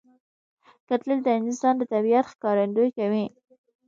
کتل د انسان د طبیعت ښکارندویي کوي